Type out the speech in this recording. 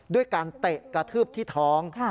ด้วยการเตะกระทืบที่ท้อง